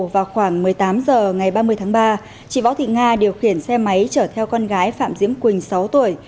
vào khoảng một mươi tám h ngày ba mươi tháng ba chị võ thị nga điều khiển xe máy chở theo con gái phạm diễm quỳnh sáu tuổi